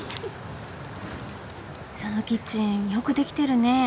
そのキッチンよく出来てるね。